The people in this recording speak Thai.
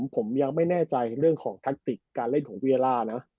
ผมยังไม่แน่ใจเรื่องของแทคติกการเล่นของเวียล่านะ